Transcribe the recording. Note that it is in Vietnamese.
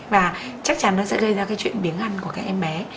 và chắc chắn nó sẽ gây ra cái chuyện biếng ăn của các em bé